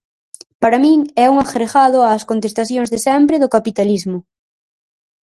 Para min é un agregado ás contestacións de sempre do capitalismo.